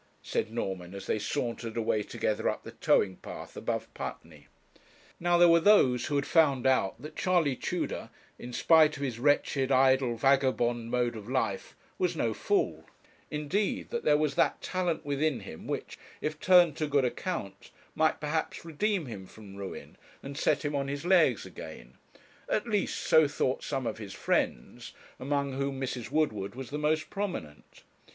said Norman, as they sauntered away together up the towing path above Putney. Now there were those who had found out that Charley Tudor, in spite of his wretched, idle, vagabond mode of life, was no fool; indeed, that there was that talent within him which, if turned to good account, might perhaps redeem him from ruin and set him on his legs again; at least so thought some of his friends, among whom Mrs. Woodward was the most prominent.